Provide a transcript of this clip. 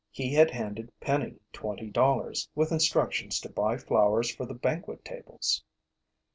He had handed Penny twenty dollars, with instructions to buy flowers for the banquet tables.